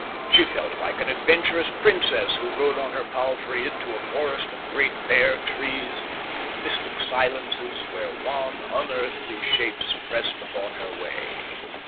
She felt like an adventurous princess who rode on her palfrey into a forest of great bare trees and mystic silences, where wan, unearthly shapes pressed upon her way.